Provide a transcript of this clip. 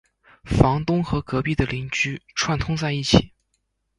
房东和隔壁的邻居串通在一起